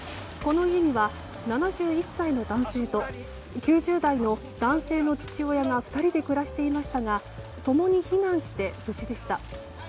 この家には７１歳の男性と９０代の男性の父親が２人で暮らしていましたが共に避難して無事でした。